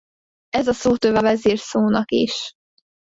Ez a szótöve a vezír szónak is.